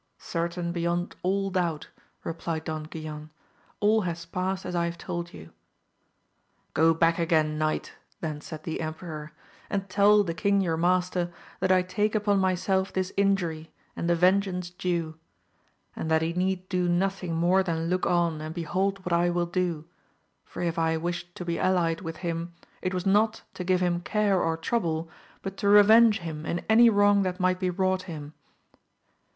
Certain beyond all doubt, replied Don Guilan, all has passed as I have told you. Go back again knight, then said the emperor, and tell the king your master, that I take upon myself this injury and the vengeance due : and that he need do nothing more than look on and behold what I will do, for if I wished to be allied with him, it was not to give him care or trouble, but to revenge him in any wrong that might be wrought him.